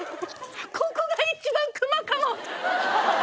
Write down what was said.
ここが一番熊かも！